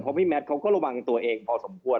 เพราะพี่แมทเขาก็ระวังตัวเองพอสมควร